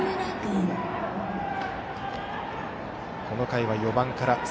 この回は４番から。